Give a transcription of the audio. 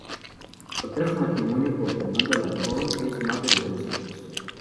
Contrajo matrimonio con Fernando Alarcón, es madre de dos hijos.